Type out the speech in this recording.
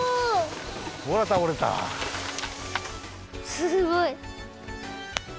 すごい。